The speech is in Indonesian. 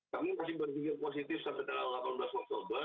kami masih berpikir positif sampai tanggal delapan belas oktober